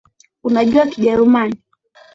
Anajua kijerumani